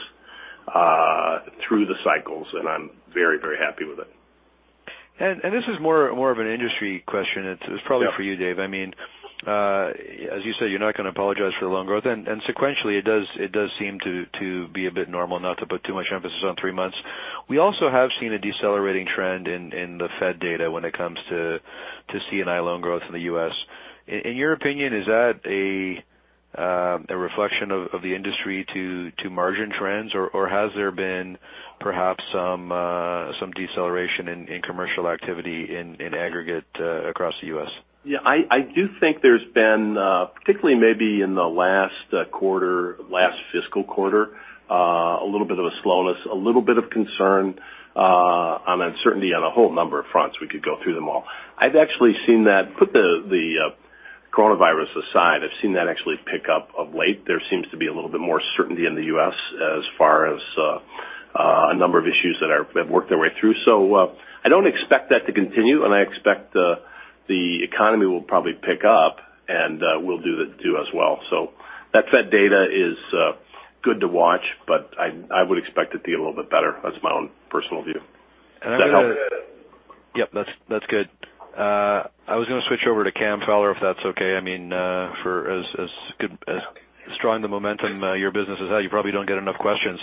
through the cycles, and I'm very happy with it. This is more of an industry question. It's probably for you, Dave. As you say, you're not going to apologize for the loan growth, and sequentially, it does seem to be a bit normal, not to put too much emphasis on three months. We also have seen a decelerating trend in the Fed data when it comes to C&I loan growth in the U.S. In your opinion, is that a reflection of the industry to margin trends, or has there been perhaps some deceleration in commercial activity in aggregate across the U.S.? Yeah, I do think there's been, particularly maybe in the last fiscal quarter a little bit of a slowness, a little bit of concern on uncertainty on a whole number of fronts. We could go through them all. I've actually seen that, put the coronavirus aside, I've seen that actually pick up of late. There seems to be a little bit more certainty in the U.S. as far as a number of issues that have worked their way through. I don't expect that to continue, and I expect the economy will probably pick up, and we'll do as well. That Fed data is good to watch, but I would expect it to be a little bit better. That's my own personal view. Does that help? Yep, that's good. I was going to switch over to Cam Fowler, if that's okay. For as strong the momentum your business is at, you probably don't get enough questions.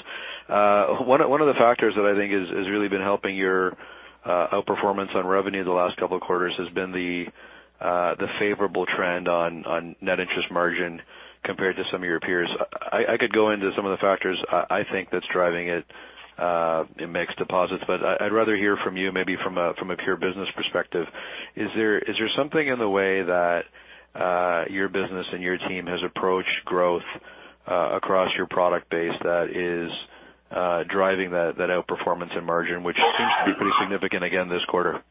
One of the factors that I think has really been helping your outperformance on revenue the last couple of quarters has been the favorable trend on net interest margin compared to some of your peers. I could go into some of the factors I think that's driving it in mixed deposits, but I'd rather hear from you maybe from a pure business perspective. Is there something in the way that your business and your team has approached growth across your product base that is driving that outperformance and margin, which seems to be pretty significant again this quarter?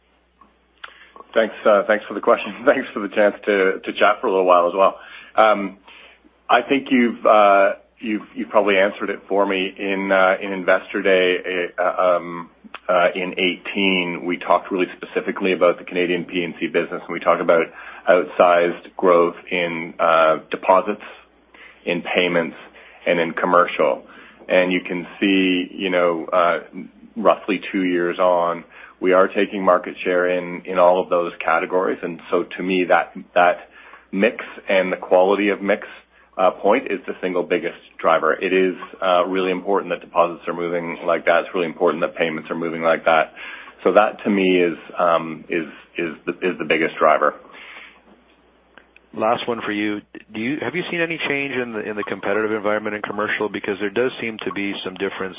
Thanks for the question. Thanks for the chance to chat for a little while as well. I think you've probably answered it for me. In Investor Day in 2018, we talked really specifically about the Canadian P&C business. We talked about outsized growth in deposits, in payments, and in commercial. You can see, roughly two years on, we are taking market share in all of those categories. To me, that mix and the quality of mix point is the single biggest driver. It is really important that deposits are moving like that. It's really important that payments are moving like that. That to me is the biggest driver. Last one for you. Have you seen any change in the competitive environment in commercial? There does seem to be some difference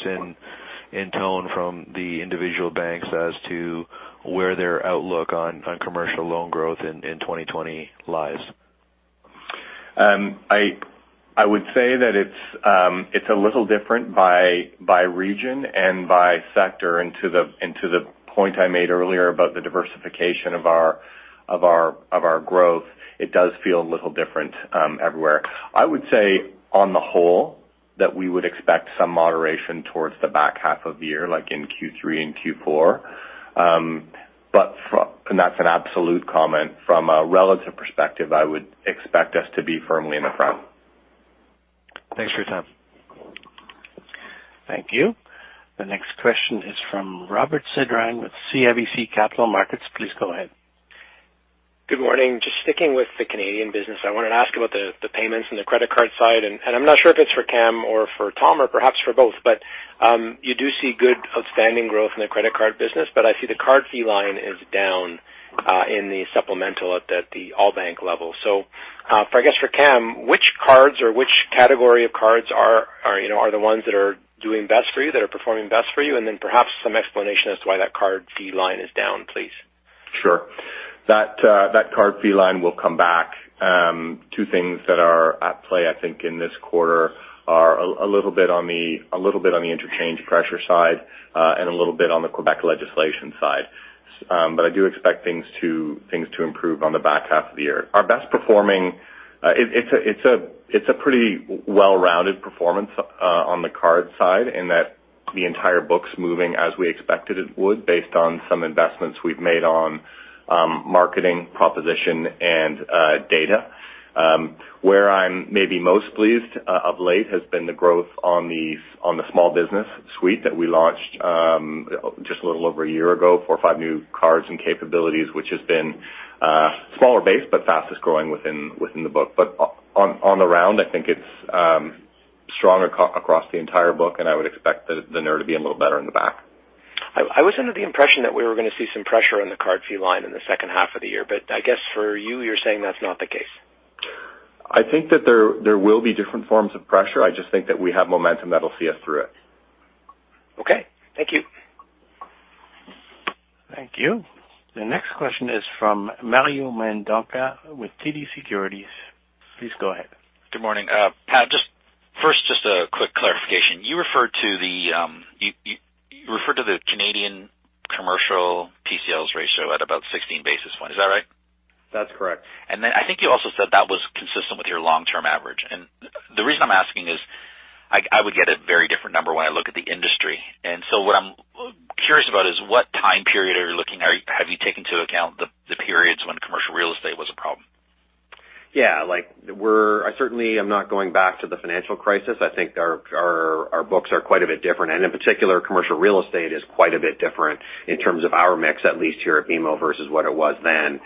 in tone from the individual banks as to where their outlook on commercial loan growth in 2020 lies. I would say that it's a little different by region and by sector. To the point I made earlier about the diversification of our growth, it does feel a little different everywhere. I would say on the whole, that we would expect some moderation towards the back half of the year, like in Q3 and Q4. That's an absolute comment. From a relative perspective, I would expect us to be firmly in the front. Thanks for your time. Thank you. The next question is from Robert Sedran with CIBC Capital Markets. Please go ahead. Good morning. Just sticking with the Canadian business, I wanted to ask about the payments and the credit card side, and I'm not sure if it's for Cam or for Tom or perhaps for both, but you do see good outstanding growth in the credit card business. I see the card fee line is down in the supplemental at the all-bank level. I guess for Cam, which cards or which category of cards are the ones that are doing best for you, that are performing best for you? Perhaps some explanation as to why that card fee line is down, please. Sure. That card fee line will come back. Two things that are at play, I think, in this quarter are a little bit on the interchange pressure side and a little bit on the Quebec legislation side. I do expect things to improve on the back half of the year. Our best performing, it's a pretty well-rounded performance on the card side in that the entire book's moving as we expected it would based on some investments we've made on marketing proposition and data. Where I'm maybe most pleased of late has been the growth on the small business suite that we launched just a little over a year ago, four or five new cards and capabilities, which has been a smaller base, but fastest-growing within the book. On the round, I think it's stronger across the entire book, and I would expect the NIR to be a little better in the back. I was under the impression that we were going to see some pressure on the card fee line in the second half of the year. I guess for you're saying that's not the case. I think that there will be different forms of pressure. I just think that we have momentum that'll see us through it. Okay. Thank you. Thank you. The next question is from Mario Mendonca with TD Securities. Please go ahead. Good morning. Pat, first, just a quick clarification. You referred to the Canadian commercial PCLs ratio at about 16 basis points. Is that right? That's correct. I think you also said that was consistent with your long-term average. The reason I'm asking is I would get a very different number when I look at the industry. What I'm curious about is what time period are you looking? Have you taken into account the periods when commercial real estate was a problem? Yeah. I certainly am not going back to the financial crisis. I think our books are quite a bit different, and in particular, commercial real estate is quite a bit different in terms of our mix, at least here at BMO versus what it was then.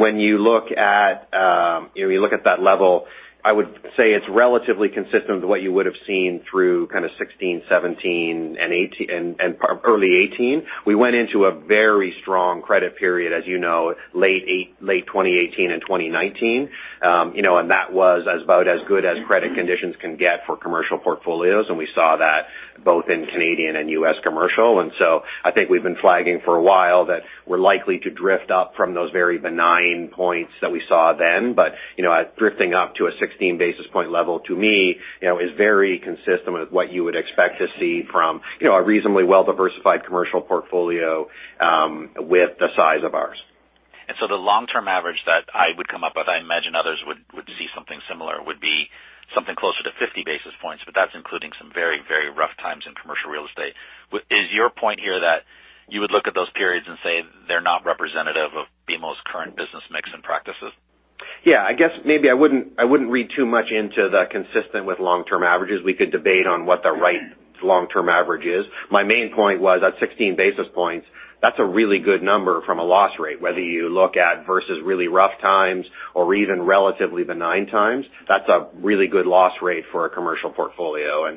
When you look at that level, I would say it's relatively consistent with what you would have seen through kind of 2016, 2017 and early 2018. We went into a very strong credit period, as you know, late 2018 and 2019. That was about as good as credit conditions can get for commercial portfolios, and we saw that both in Canadian and U.S. commercial. I think we've been flagging for a while that we're likely to drift up from those very benign points that we saw then. Drifting up to a 16 basis point level to me is very consistent with what you would expect to see from a reasonably well-diversified commercial portfolio with the size of ours. The long-term average that I would come up with, I imagine others would see something similar, would be something closer to 50 basis points, but that's including some very, very rough times in commercial real estate. Is your point here that you would look at those periods and say they're not representative of BMO's current business mix and practices? Yeah. I guess maybe I wouldn't read too much into the consistent with long-term averages. We could debate on what the right long-term average is. My main point was at 16 basis points, that's a really good number from a loss rate. Whether you look at versus really rough times or even relatively benign times, that's a really good loss rate for a commercial portfolio.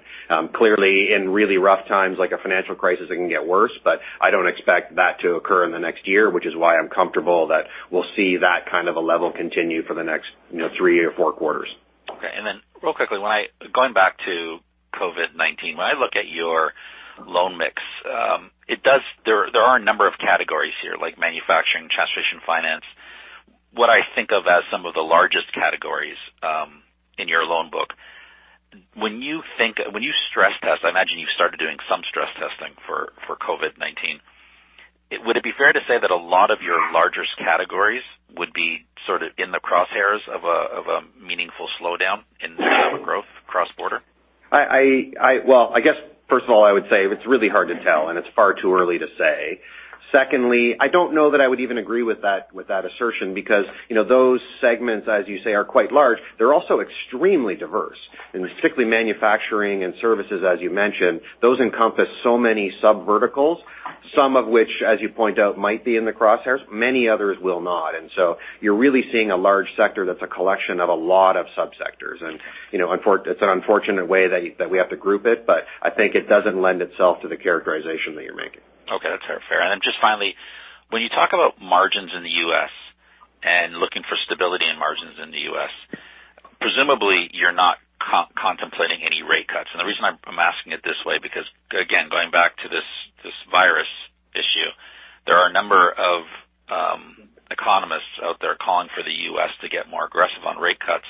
Clearly in really rough times like a financial crisis, it can get worse, but I don't expect that to occur in the next year, which is why I'm comfortable that we'll see that kind of a level continue for the next three or four quarters. Okay. Real quickly, going back to COVID-19. When I look at your loan mix, there are a number of categories here, like manufacturing, transportation finance, what I think of as some of the largest categories in your loan book. When you stress test, I imagine you've started doing some stress testing for COVID-19. Would it be fair to say that a lot of your largest categories would be sort of in the crosshairs of a meaningful slowdown in economic growth cross border? Well, I guess first of all, I would say it's really hard to tell, and it's far too early to say. Secondly, I don't know that I would even agree with that assertion because those segments, as you say, are quite large. They're also extremely diverse. Particularly manufacturing and services, as you mentioned, those encompass so many subverticals. Some of which, as you point out, might be in the crosshairs, many others will not. You're really seeing a large sector that's a collection of a lot of subsectors. It's an unfortunate way that we have to group it, but I think it doesn't lend itself to the characterization that you're making. Okay. That's fair. Then just finally, when you talk about margins in the U.S. and looking for stability in margins in the U.S., presumably you're not contemplating any rate cuts. The reason I'm asking it this way, because again, going back to this virus issue, there are a number of economists out there calling for the U.S. to get more aggressive on rate cuts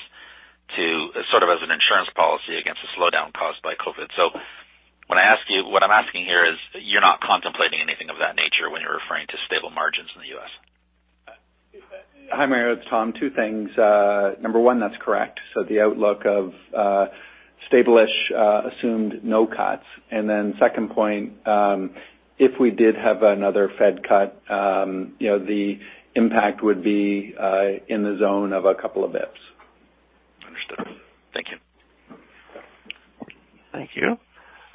sort of as an insurance policy against a slowdown caused by COVID. What I'm asking here is you're not contemplating anything of that nature when you're referring to stable margins in the U.S.? Hi, Mario. It's Tom. Two things. Number one, that's correct. The outlook of stable-ish assumed no cuts. Second point, if we did have another Fed cut, the impact would be in the zone of a couple of basis points. Understood. Thank you. Thank you.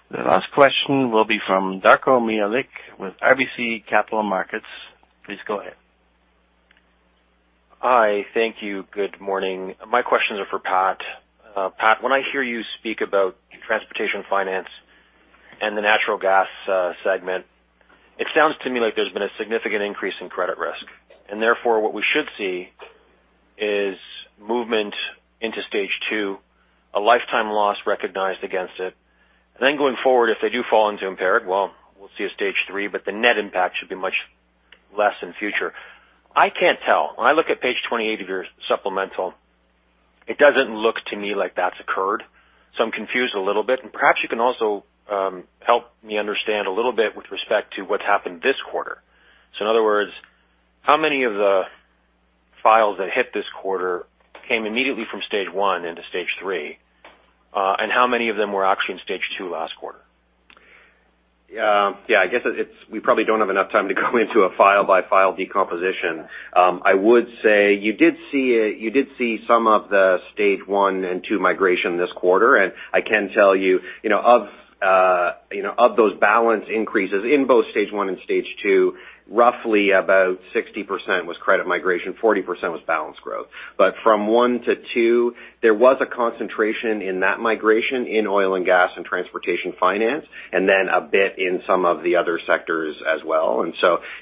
The last question will be from Darko Mihelic with RBC Capital Markets. Please go ahead. Hi. Thank you. Good morning. My questions are for Pat. Pat, when I hear you speak about transportation finance and the natural gas segment, it sounds to me like there's been a significant increase in credit risk, and therefore what we should see is movement into stage two, a lifetime loss recognized against it. Going forward, if they do fall into impaired, well, we'll see a stage three, but the net impact should be much less in future. I can't tell. When I look at page 28 of your supplemental, it doesn't look to me like that's occurred. I'm confused a little bit. Perhaps you can also help me understand a little bit with respect to what's happened this quarter. In other words, how many of the files that hit this quarter came immediately from stage one into stage three? How many of them were actually in stage two last quarter? Yeah, I guess we probably don't have enough time to go into a file by file decomposition. I would say you did see some of the stage one and two migration this quarter. I can tell you of those balance increases in both stage one and stage two, roughly about 60% was credit migration, 40% was balance growth. From one to two, there was a concentration in that migration in oil and gas and transportation finance, and then a bit in some of the other sectors as well.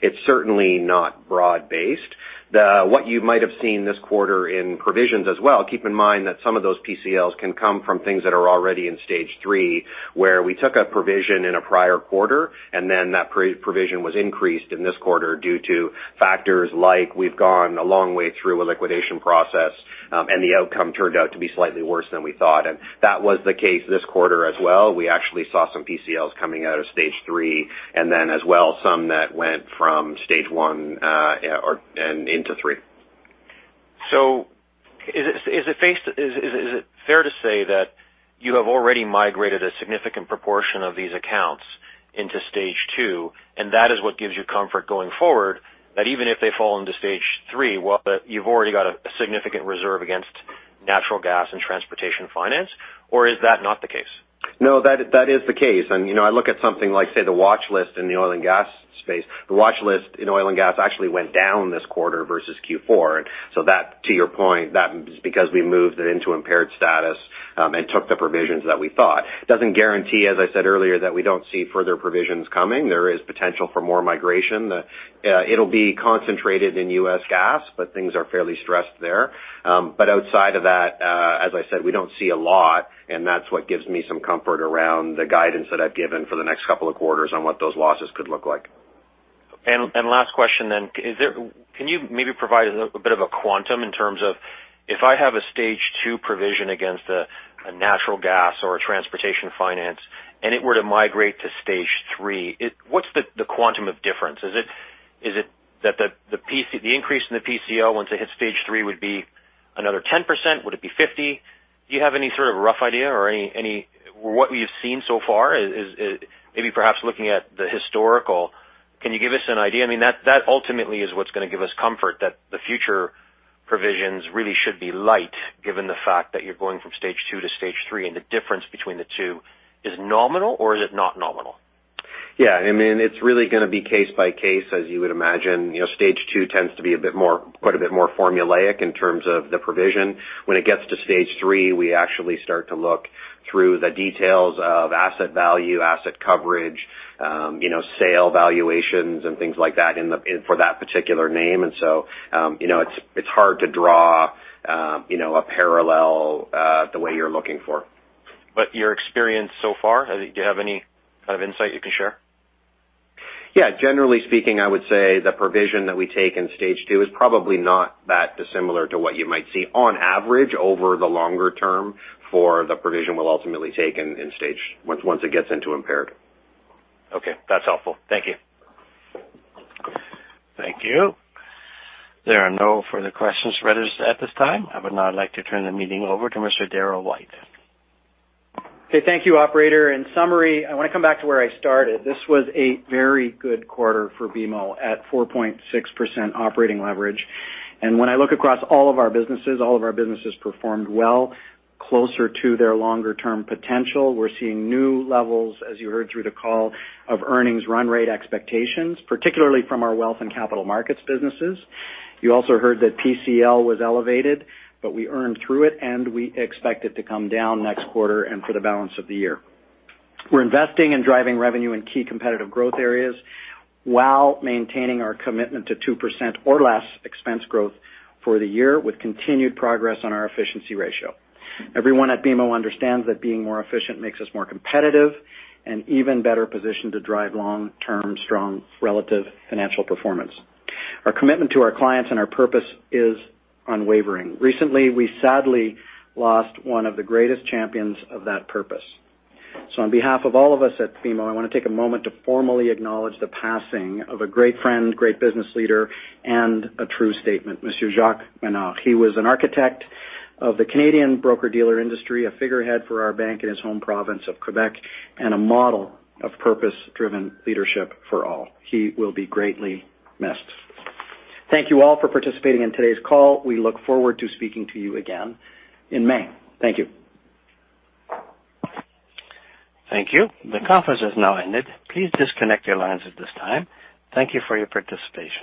It's certainly not broad-based. What you might have seen this quarter in provisions as well, keep in mind that some of those PCLs can come from things that are already in stage three, where we took a provision in a prior quarter, and then that provision was increased in this quarter due to factors like we've gone a long way through a liquidation process, and the outcome turned out to be slightly worse than we thought. That was the case this quarter as well. We actually saw some PCLs coming out of stage three, and then as well, some that went from stage one and into three. Is it fair to say that you have already migrated a significant proportion of these accounts into stage two, and that is what gives you comfort going forward, that even if they fall into stage three, you've already got a significant reserve against natural gas and transportation finance? Is that not the case? No, that is the case. I look at something like, say, the watch list in the oil and gas space. The watch list in oil and gas actually went down this quarter versus Q4. That, to your point, that is because we moved it into impaired status and took the provisions that we thought. Doesn't guarantee, as I said earlier, that we don't see further provisions coming. There is potential for more migration. It'll be concentrated in U.S. gas, but things are fairly stressed there. Outside of that, as I said, we don't see a lot, and that's what gives me some comfort around the guidance that I've given for the next couple of quarters on what those losses could look like. Last question then, can you maybe provide a bit of a quantum in terms of if I have a stage two provision against a natural gas or a transportation finance and it were to migrate to stage three, what's the quantum of difference? Is it that the increase in the PCL once it hits stage three would be another 10%? Would it be 50%? Do you have any sort of rough idea or what we've seen so far is maybe perhaps looking at the historical. Can you give us an idea? I mean, that ultimately is what's going to give us comfort that the future provisions really should be light given the fact that you're going from stage two to stage three, and the difference between the two is nominal or is it not nominal? Yeah, it's really going to be case by case, as you would imagine. Stage two tends to be quite a bit more formulaic in terms of the provision. When it gets to stage three, we actually start to look through the details of asset value, asset coverage, sale valuations and things like that for that particular name. It's hard to draw a parallel the way you're looking for. Your experience so far, do you have any kind of insight you can share? Yeah. Generally speaking, I would say the provision that we take in stage two is probably not that dissimilar to what you might see on average over the longer term for the provision we'll ultimately take once it gets into impaired. Okay. That's helpful. Thank you. Thank you. There are no further questions registered at this time. I would now like to turn the meeting over to Mr. Darryl White. Okay. Thank you, operator. In summary, I want to come back to where I started. This was a very good quarter for BMO at 4.6% operating leverage. When I look across all of our businesses, all of our businesses performed well, closer to their longer-term potential. We're seeing new levels, as you heard through the call, of earnings run rate expectations, particularly from our wealth and capital markets businesses. You also heard that PCL was elevated, but we earned through it and we expect it to come down next quarter and for the balance of the year. We're investing in driving revenue in key competitive growth areas while maintaining our commitment to 2% or less expense growth for the year with continued progress on our efficiency ratio. Everyone at BMO understands that being more efficient makes us more competitive and even better positioned to drive long-term strong relative financial performance. Our commitment to our clients and our purpose is unwavering. Recently, we sadly lost one of the greatest champions of that purpose. On behalf of all of us at BMO, I want to take a moment to formally acknowledge the passing of a great friend, great business leader, and a true statesman, Monsieur Jacques Ménard. He was an architect of the Canadian broker-dealer industry, a figurehead for our bank in his home province of Quebec, and a model of purpose-driven leadership for all. He will be greatly missed. Thank you all for participating in today's call. We look forward to speaking to you again in May. Thank you. Thank you. The conference has now ended. Please disconnect your lines at this time. Thank you for your participation.